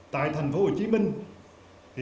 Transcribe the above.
tại thành phố hồ chí minh